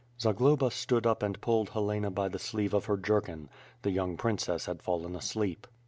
Zagloba stood up and pulled Helena by the sleeve of her jerkin. The young princess had fallen asleep.